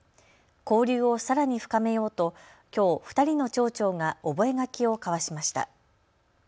交流をさらに深めようときょう２人の町長が覚書を交わしました。